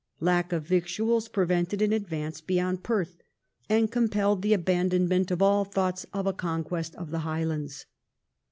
Lack of victuals prevented an advance beyond Perth, and compelled the abandonment of all thoughts of a conquest of the Highlands.